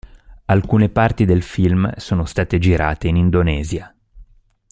Alcune parti del film sono state girate in Indonesia.